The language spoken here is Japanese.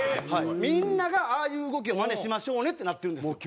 みんながああいう動きをマネしましょうねってなってるんですよ。